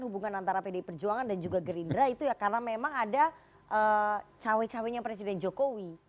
hubungan antara pdi perjuangan dan juga gerindra itu ya karena memang ada cawe cawe nya presiden jokowi